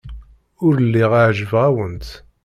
Ur lliɣ ɛejbeɣ-awent.